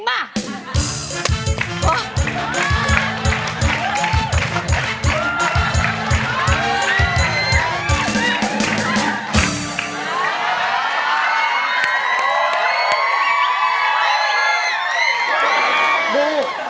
มาตรฐาน